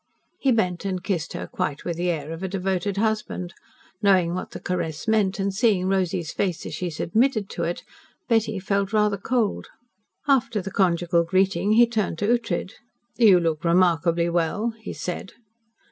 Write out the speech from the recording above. He bent and kissed her quite with the air of a devoted husband. Knowing what the caress meant, and seeing Rosy's face as she submitted to it, Betty felt rather cold. After the conjugal greeting he turned to Ughtred. "You look remarkably well," he said.